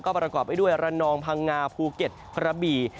ประกอบไปด้วยระนองพังงาภูเก็ตกระบี่